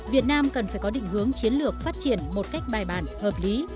việt nam cần phải có định hướng chiến lược phát triển một cách bài bản hợp lý